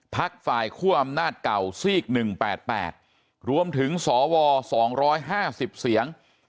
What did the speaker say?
พักฝ่ายคว่ออำนาจเก่าซีกหนึ่งแปดแปดรวมถึงสอวอสองร้อยห้าสิบเสียง